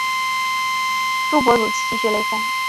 朱伯儒积极学雷锋。